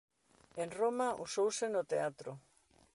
En Roma usouse no teatro.